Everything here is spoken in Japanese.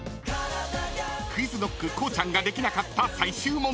［ＱｕｉｚＫｎｏｃｋこうちゃんができなかった最終問題］